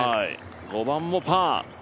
５番もパー。